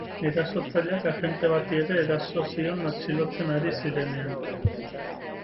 Erasotzaileak agente bati ere eraso zion atxilotzen ari zirenean.